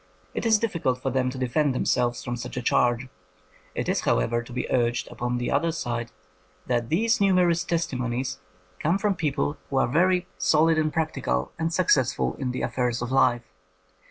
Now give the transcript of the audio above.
It is difficult for them to defend themselves from such a charge. It is, however, to be urged upon the other side that these numerous testimonies come from people who are very 140 INDEPENDENT EVIDENCE FOR FAIRIES solid and practical and successful in the af fairs of life.